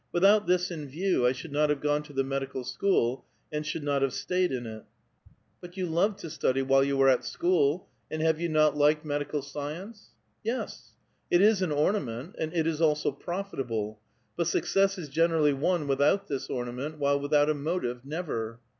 Without this in view 1 should not have gone to the medical school and should not have staved in it." " But you loved to study while .you were at school, and have vou not liked medical science? " ''Yes. It is an ornament, and it is also profitable; but success is generally won without this ornament, while without a motive, never